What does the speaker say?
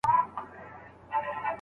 په تېره چاړه یې زه پرېکوم غاړه